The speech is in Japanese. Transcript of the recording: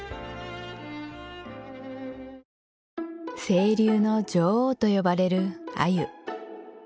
清流の女王と呼ばれる鮎